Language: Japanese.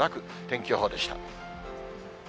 天気予報でした。